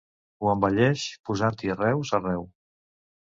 Ho embelleix posant-hi arreus arreu.